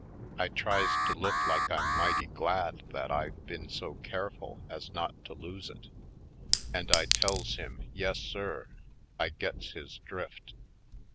I tries to look like I'm mighty glad that I've been so careful as not to lose it and I tells him yes, sir, I gets his drift.